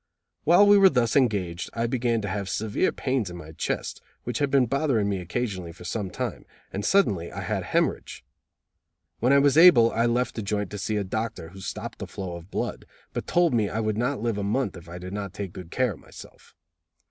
While we were thus engaged I began to have severe pains in my chest, which had been bothering me occasionally for some time, and suddenly I had a hemorrhage. When I was able I left the joint to see a doctor, who stopped the flow of blood, but told me I would not live a month if I did not take good care of myself.